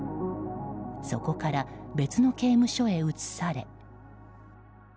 そこから別の刑務所へ移され。